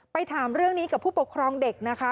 ถามเรื่องนี้กับผู้ปกครองเด็กนะคะ